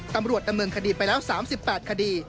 ตำรวจดำเนินคดีไปแล้ว๓๘คดี